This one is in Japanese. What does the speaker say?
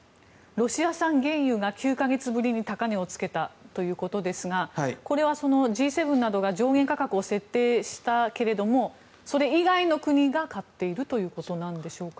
ロシア産原油が９か月ぶりに高値をつけたということですがこれはＧ７などが上限価格を設定したけれどもそれ以外の国が買っているということなんでしょうか？